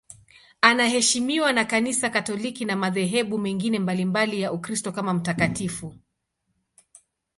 Anaheshimiwa na Kanisa Katoliki na madhehebu mengine mbalimbali ya Ukristo kama mtakatifu.